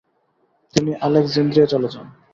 তিনি আলেক্সান্দ্রিয়া চলে যান।